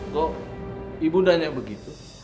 kok ibu nanya begitu